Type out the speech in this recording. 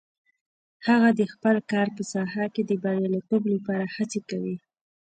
هغه د خپل کار په ساحه کې د بریالیتوب لپاره هڅې کوي